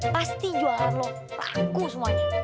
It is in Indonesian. pasti jualan lo paku semuanya